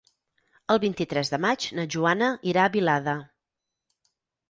El vint-i-tres de maig na Joana irà a Vilada.